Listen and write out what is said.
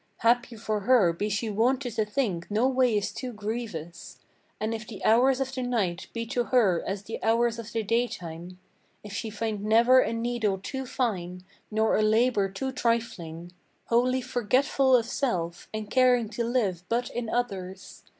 Happy for her be she wonted to think no way is too grievous, And if the hours of the night be to her as the hours of the daytime; If she find never a needle too fine, nor a labor too trifling; Wholly forgetful of self, and caring to live but in others!